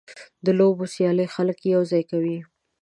د لوبو سیالۍ خلک یوځای کوي.